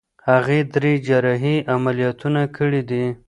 هغې درې جراحي عملیاتونه کړي دي.